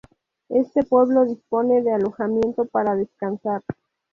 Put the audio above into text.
Este pueblo dispone de alojamiento para descansar.